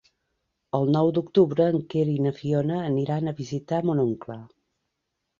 El nou d'octubre en Quer i na Fiona aniran a visitar mon oncle.